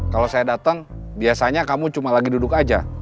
kalau saya datang biasanya kamu cuma lagi duduk aja